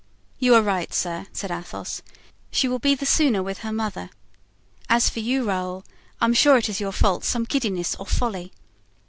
"You are right, sir," said Athos. "She will be the sooner with her mother. As for you, Raoul, I am sure it is your fault, some giddiness or folly."